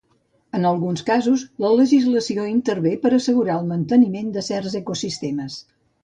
En alguns casos la legislació intervé per assegurar el manteniment de certs ecosistemes.